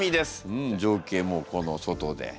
うん情景もこの外で。